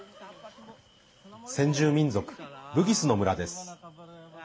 先住民族、ブギスの村です。